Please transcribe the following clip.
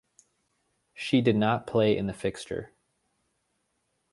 She did not play in the fixture.